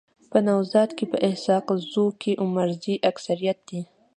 په نوزاد کي په اسحق زو کي عمرزي اکثريت دي.